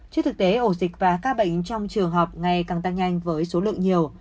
trước thực tế ổ dịch và ca bệnh trong trường học ngày càng tăng nhanh với số lượng nhiều